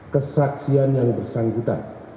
kesaksian yang bersangkutan